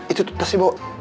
itu tasnya bawa